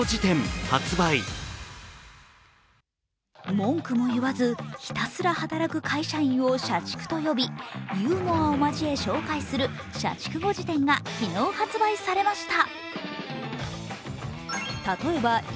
文句も言わずひたすら働く会社員を社畜と呼びユーモアを交え紹介する「社畜語辞典」が昨日発売されました。